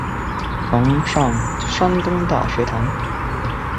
曾上山东大学堂。